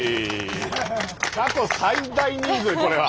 過去最大人数これは。